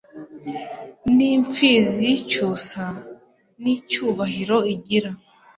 N' imfizi y' icyusa,N' icyubahiro igira,